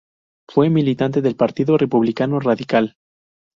Fue militante del Partido Republicano Radical.